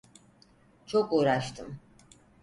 Çok uğraştım.